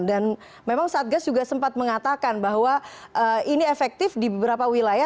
dan memang satgas juga sempat mengatakan bahwa ini efektif di beberapa wilayah